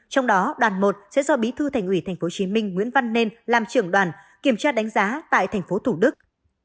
trong đó đoàn một sẽ do bí thư thành ủy tp hcm nguyễn văn nên làm trưởng đoàn kiểm tra đánh giá tại tp thủ đức